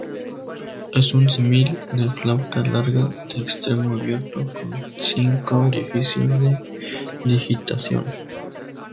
Es un símil de flauta larga de extremo abierto con cinco orificios de digitación.